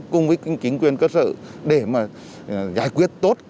cùng với chính quyền cơ sở để mà giải quyết tốt